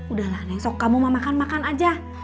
udahlah neng sok kamu mau makan makan aja